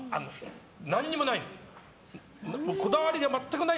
何にもない。